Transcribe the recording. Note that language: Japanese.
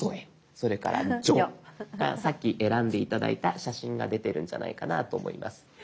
それから「じょ」さっき選んで頂いた写真が出てるんじゃないかなと思います。